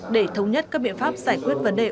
để thống nhất các biện pháp giải quyết vấn đề